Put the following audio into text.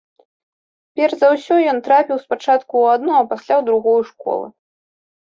Перш за ўсё ён трапіў спачатку ў адну, а пасля ў другую школы.